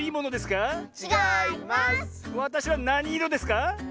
わたしはなにいろですか？